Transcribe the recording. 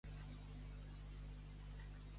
Pactes a l'Ajuntament de Galapagar.